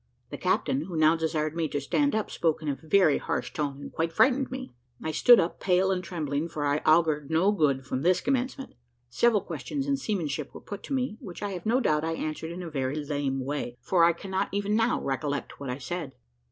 The captain, who now desired me to stand up, spoke in a very harsh tone, and quite frightened me. I stood up pale and trembling, for I augured no good from this commencement. Several questions in seamanship were put to me, which I have no doubt I answered in a very lame way, for I cannot even now recollect what I said.